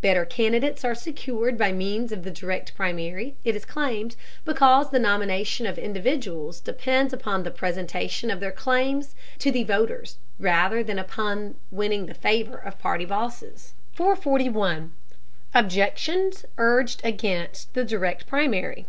Better candidates are secured by means of the Direct Primary, it is claimed, because the nomination of individuals depends upon the presentation of their claims to the voters, rather than upon winning the favor of party bosses. 441. OBJECTIONS URGED AGAINST THE DIRECT PRIMARY.